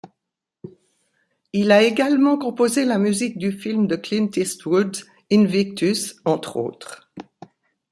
Il a également composé la musique du film de Clint Eastwood, Invictus entre autres.